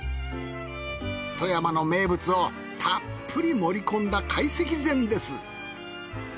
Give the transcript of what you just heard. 富山の名物をたっぷり盛り込んだ会席膳です。